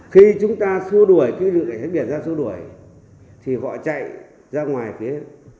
khi chúng ta xua đuổi cái lượng cảnh sát biển ra xua đuổi thì họ chạy ra ngoài phía